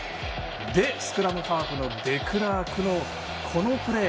スクラムハーフのデクラークのこのプレー。